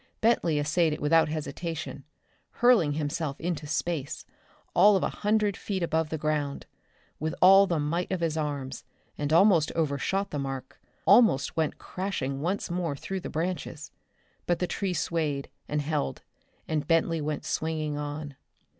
Bentley essayed it without hesitation, hurling himself into space, all of a hundred feet above the ground; with all the might of his arms and almost overshot the mark, almost went crashing once more through the branches. But the tree swayed, and held, and Bentley went swinging on.